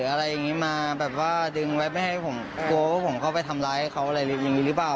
อะไรอย่างนี้มาแบบว่าดึงไว้ไม่ให้ผมกลัวว่าผมเข้าไปทำร้ายเขาอะไรอย่างนี้หรือเปล่า